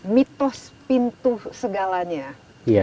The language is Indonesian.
mitos pintu segalanya